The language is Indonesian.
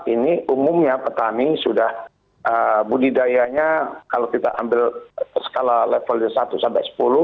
ini umumnya petani sudah budidayanya kalau kita ambil skala levelnya satu sampai sepuluh